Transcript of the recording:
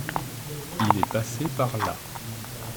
il est passé par là.